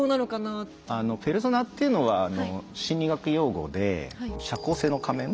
あの「ペルソナ」っていうのはあの心理学用語で「社交性の仮面」